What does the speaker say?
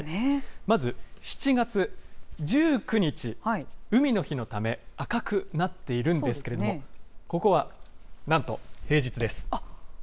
まず７月１９日、海の日のため、赤くなっているんですけれども、ここはなんと、平日です。